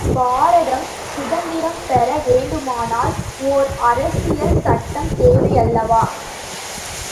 பாரதம் சுதந்திரம் பெற வேண்டுமானால், ஓர் அரசியல் சட்டம் தேவை அல்லவா?